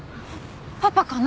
パパかな？